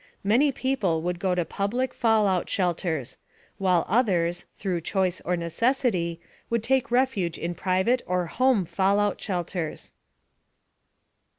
Many people would go to public fallout shelters, while others through choice or necessity would take refuge in private or home fallout shelters.